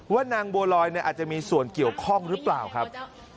นางบัวลอยอาจจะมีส่วนเกี่ยวข้องหรือเปล่าครับ